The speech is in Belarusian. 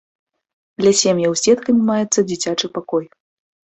Для сем'яў з дзеткамі маецца дзіцячы пакой.